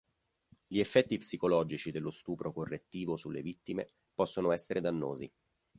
Gli effetti psicologici dello stupro correttivo sulle vittime possono essere dannosi.